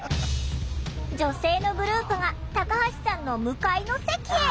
女性のグループがタカハシさんの向かいの席へ。